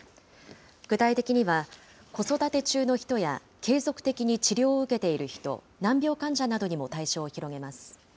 具体的には、子育て中の人や、継続的に治療を受けている人、難病患者などにも対象を広げます。